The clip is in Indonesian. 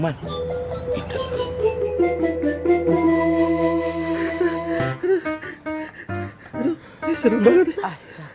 aduh seru banget ya